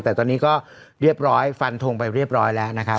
แต่ตอนนี้ก็เรียบร้อยฟันทงไปเรียบร้อยแล้วนะครับ